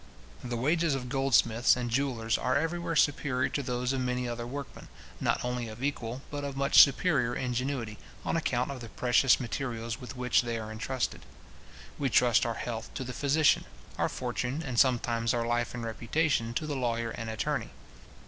The wages of goldsmiths and jewellers are everywhere superior to those of many other workmen, not only of equal, but of much superior ingenuity, on account of the precious materials with which they are entrusted. We trust our health to the physician, our fortune, and sometimes our life and reputation, to the lawyer and attorney.